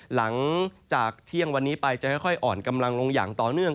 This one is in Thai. หลังจากเที่ยงวันนี้ไปจะค่อยอ่อนกำลังลงอย่างต่อเนื่อง